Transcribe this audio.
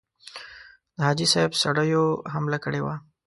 د حاجي صاحب سړیو حمله کړې وه.